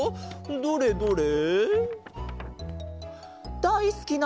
どれどれ？